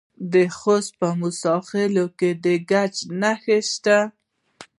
د خوست په موسی خیل کې د ګچ نښې شته.